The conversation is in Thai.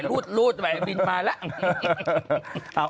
รูดไหวบินมาแล้ว